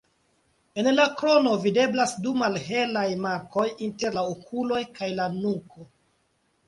En la krono videblas du malhelaj markoj inter la okuloj kaj la nuko.